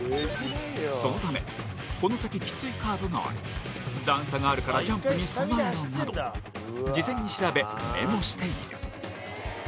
そのためこの先きついカーブがある段差があるからジャンプに備えろなど事前に調べ、メモしている。